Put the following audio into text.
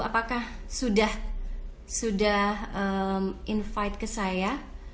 apakah sudah invite ke saya